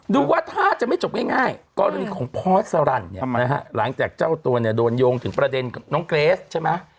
ดูว่าถ้าจะไม่จบง่ายกรณีของพอสรรเนี่ยนะฮะหลังจากเจ้าตัวเนี่ยโดนโยงถึงประเด็นกับน้องเกรสใช่ไหม